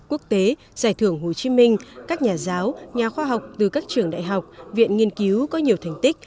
quốc tế giải thưởng hồ chí minh các nhà giáo nhà khoa học từ các trường đại học viện nghiên cứu có nhiều thành tích